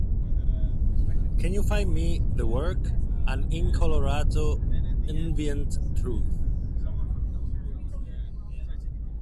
Can you find me the work, An InColorado Nvenient Truth?